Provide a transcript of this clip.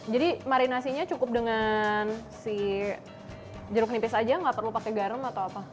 jadi marinasinya cukup dengan si jeruk nipis aja nggak perlu pakai garam atau apa